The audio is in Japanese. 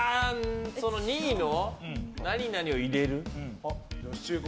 ２位の何々を入れる。